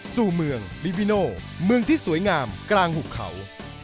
สู่เมืองลิวิโนเมืองที่สวยงามกลางหุบเขา